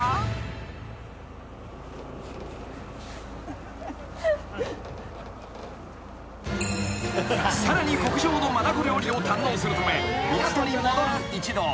［さらに極上の真ダコ料理を堪能するため港に戻る一同］